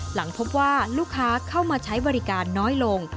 หลังพบว่าลูกค้าเข้ามาใช้บริการน้อยลง